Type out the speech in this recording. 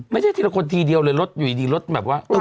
ไม่ใช่ทีละคนทีเดียวเลยรถอยู่ดีรถแบบว่า